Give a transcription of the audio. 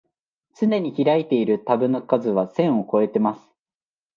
つねに開いているタブの数は千をこえてます